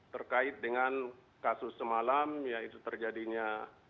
terkait dengan kasus semalam yaitu terjadinya